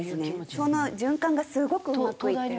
その循環がすごくうまくいってる。